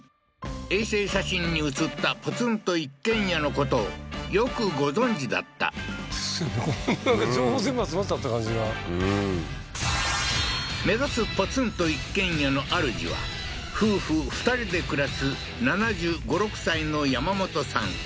衛星写真に写ったポツンと一軒家のことをよくご存じだったすごいなんか情報全部集まったって感じがうん目指すポツンと一軒家のあるじは夫婦２人で暮らす７５７６歳のヤマモトさん